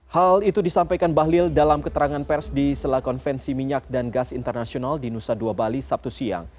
hal itu disampaikan bahlil dalam keterangan pers di sela konvensi minyak dan gas internasional di nusa dua bali sabtu siang